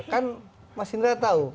kan mas indra tahu